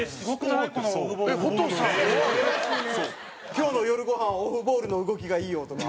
今日の夜ごはんオフボールの動きがいいよとか？